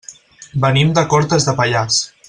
Venim de Cortes de Pallars.